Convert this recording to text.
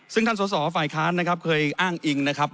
ซึ่งท่านสอสอฝ่ายค้านนะครับเคยอ้างอิงนะครับ